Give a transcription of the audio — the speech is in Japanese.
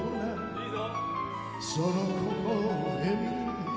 いいぞ！